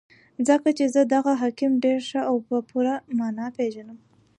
ځکه چې زه دغه حاکم ډېر ښه او په پوره مانا پېژنم.